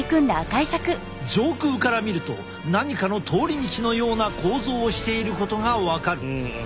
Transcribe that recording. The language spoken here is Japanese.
上空から見ると何かの通り道のような構造をしていることが分かる。